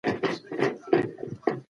ایا تاسي په خپل ښار کې د ورزش ځای لرئ؟